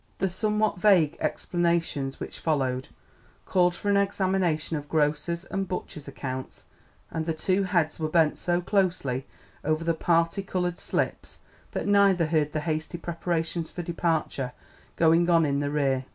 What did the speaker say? The somewhat vague explanations which followed called for an examination of grocer's and butcher's accounts; and the two heads were bent so closely over the parti coloured slips that neither heard the hasty preparations for departure going on in the rear.